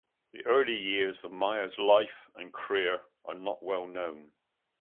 The early years of Maya's life and career are not well known.